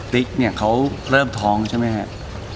ติ๊กเนี่ยเขาเริ่มท้องใช่ไหมครับ